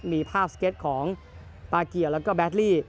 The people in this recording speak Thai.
มีภาพสเก็ตของปลาเกียวแล้วก็แบตเตอรี่